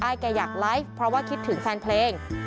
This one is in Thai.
แกอยากไลฟ์เพราะว่าคิดถึงแฟนเพลง